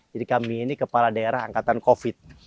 jadi kami ini kepala daerah angkatan covid sembilan belas